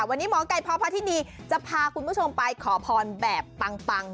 วันนี้หมอไก่พพธินีจะพาคุณผู้ชมไปขอพรแบบปัง